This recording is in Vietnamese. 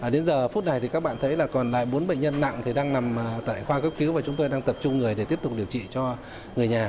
đến giờ phút này thì các bạn thấy là còn lại bốn bệnh nhân nặng thì đang nằm tại khoa cấp cứu và chúng tôi đang tập trung người để tiếp tục điều trị cho người nhà